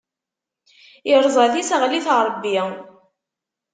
Iṛẓa tiseɣlit n Ṛebbi.